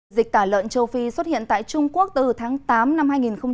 dịch tả lợn châu phi xuất hiện tại trung quốc từ tháng tám năm hai nghìn một mươi chín